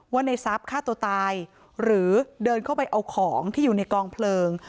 ในทรัพย์ฆ่าตัวตายหรือเดินเข้าไปเอาของที่อยู่ในกองเพลิง